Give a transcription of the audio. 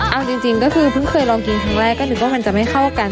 เอาจริงก็คือเพิ่งเคยลองกินครั้งแรกก็นึกว่ามันจะไม่เข้ากัน